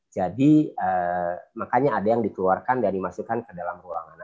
jadi makanya ada yang dikeluarkan dan dimasukkan ke dalam ruangan